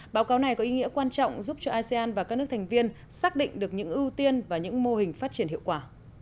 đây có ý nghĩa quan trọng giúp cho asean và các nước thành viên xác định được những ưu tiên và những mô hình phát triển hiệu quả